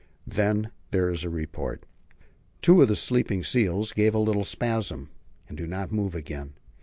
Then there is a report. Two of the sleeping seals give a little spasm, and do not move again.